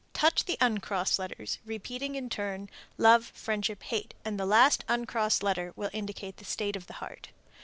Touch the uncrossed letters, repeating in turn, "Love, friendship, hate," and the last uncrossed letter will indicate the state of the heart.